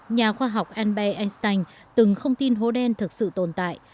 nhà khoa học albert einstein từng không tin hố đen thực sự tồn tại